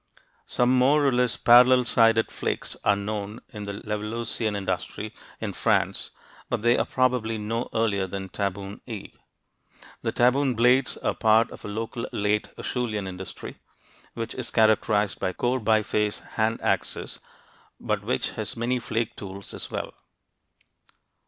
Some more or less parallel sided flakes are known in the Levalloisian industry in France, but they are probably no earlier than Tabun E. The Tabun blades are part of a local late "Acheulean" industry, which is characterized by core biface "hand axes," but which has many flake tools as well.